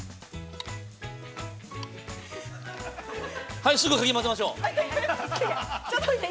はい、すぐかき混ぜましょう。